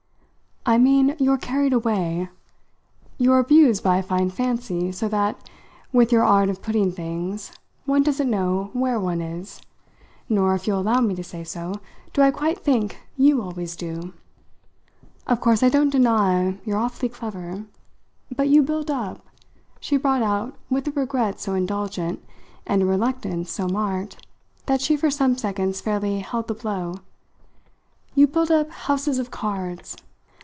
"I mean you're carried away you're abused by a fine fancy: so that, with your art of putting things, one doesn't know where one is nor, if you'll allow me to say so, do I quite think you always do. Of course I don't deny you're awfully clever. But you build up," she brought out with a regret so indulgent and a reluctance so marked that she for some seconds fairly held the blow "you build up houses of cards."